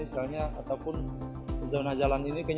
misalnya ataupun zona jalan ini kayaknya tidak terlalu jelas